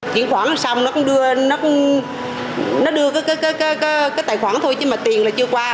cái tài khoản thôi chứ mà tiền là chưa qua